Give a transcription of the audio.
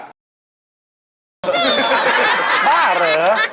บ้าเหรอ